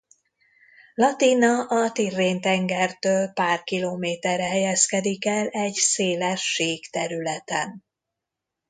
Latina a Tirrén-tengertől pár km-re helyezkedik el egy széles sík területen.